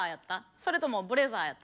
それともブレザーやった？